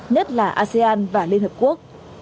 nhất là asean và liên hợp quốc